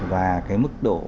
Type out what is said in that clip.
và cái mức độ